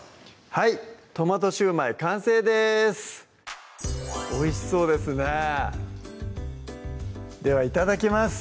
はい「トマト焼売」完成ですおいしそうですねではいただきます